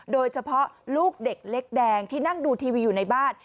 โดยเฉพาะลูกเด็กเล็กแดงที่นั่งดูทีวีอยู่ในบ้าน